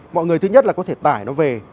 mọi người thứ nhất là có thể tải nó về